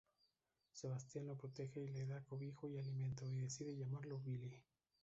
Sebastián lo protege y le da cobijo y alimento; y decide llamarlo Belle.